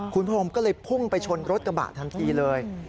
คุณผู้ชมก็เลยพุ่งไปชนรถกระบะทันทีเลย